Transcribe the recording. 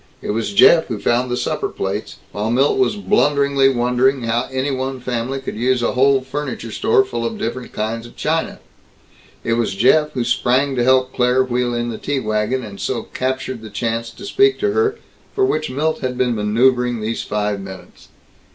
It was Jeff who found the supper plates, while Milt was blunderingly wondering how any one family could use a "whole furniture store full of different kinds of china." It was Jeff who sprang to help Claire wheel in the tea wagon, and so captured the chance to speak to her for which Milt had been maneuvering these five minutes.